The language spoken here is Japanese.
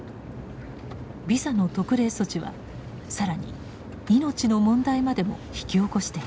ビザの特例措置は更に命の問題までも引き起こしていました。